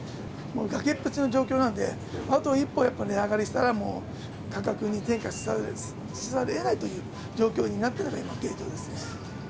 崖っぷちの状況なんで、あと一歩やっぱ値上がりしたら、価格に転嫁せざるをえないという状況になってるのが今、現状ですね。